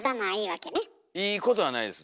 いいことはないです。